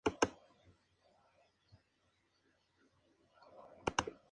Las descripciones de historiadores bizantinos hicieron que adquiriera una reputación de crueldad y barbarie.